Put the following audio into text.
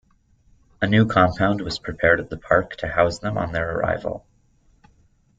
A new compound was prepared at the park to house them on their arrival.